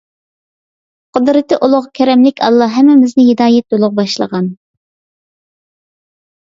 قۇدرىتى ئۇلۇغ كەرەملىك ئاللاھ، ھەممىمىزنى ھىدايەت يولىغا باشلىغىن!